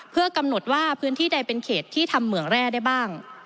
เพื่อกำหนดว่าพื้นที่ใดเป็นเขตที่ทำเหมืองแร่ได้บ้าง